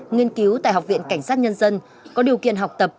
nghiên cứu tại học viện cảnh sát nhân dân có điều kiện học tập